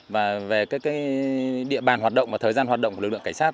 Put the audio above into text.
và về cái địa bàn hoạt động và thời gian hoạt động của lực lượng cảnh sát